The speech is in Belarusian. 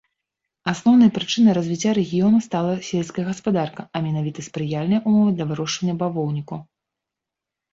Асноўнай прычынай развіцця рэгіёну стала сельская гаспадарка, а менавіта спрыяльныя ўмовы для вырошчвання бавоўніку.